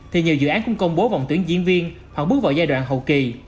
thì nhiều dự án cũng công bố vòng tuyến diễn viên hoặc bước vào giai đoạn hậu kỳ